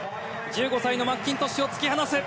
１５歳のマッキントッシュを突き放す。